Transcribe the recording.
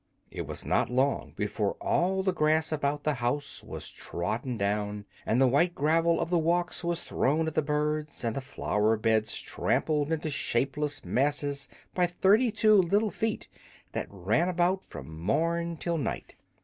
It was not long before all the grass about the house was trodden down, and the white gravel of the walks all thrown at the birds, and the flower beds trampled into shapeless masses by thirty two little feet that ran about from morn till night.